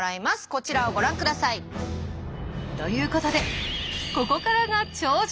こちらをご覧ください。ということでここからが頂上決戦！